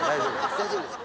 大丈夫です。